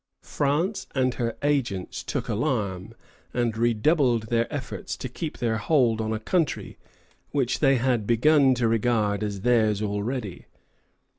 France and her agents took alarm, and redoubled their efforts to keep their hold on a country which they had begun to regard as theirs already.